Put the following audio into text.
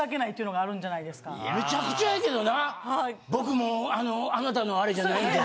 僕もうあなたのアレじゃないんで。